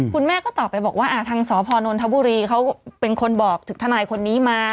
คุณแม่ก็ตอบไปบอกว่าทางสพนนทบุรีเขาเป็นคนบอกถึงทนายคนนี้มา